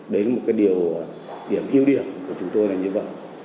đến một cái điều điểm ưu điểm của chúng tôi là như vậy